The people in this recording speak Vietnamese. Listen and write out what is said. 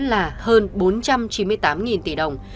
là hơn bốn trăm chín mươi tám tỷ đồng